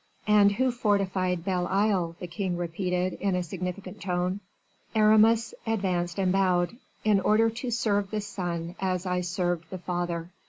"And who fortified Belle Isle?" the king repeated, in a significant tone. Aramis advanced and bowed: "In order to serve the son as I served the father."